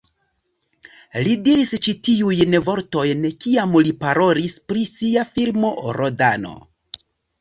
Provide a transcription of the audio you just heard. Li diris ĉi tiujn vortojn kiam li parolis pri sia filmo "Rodano".